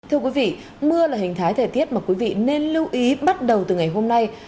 thưa quý vị mưa là hình thái thời tiết mà quý vị nên lưu ý bắt đầu từ ngày hôm nay